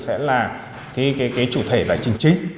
sẽ là cái chủ thể giải trình chính